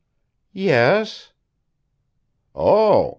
"Yes." "Oh!